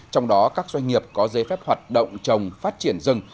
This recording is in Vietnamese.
trong đó các doanh nghiệp có dây phép hoạt động trồng phát triển rừng